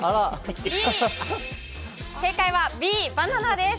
正解はＢ、バナナです。